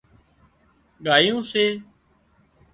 ڳايون سي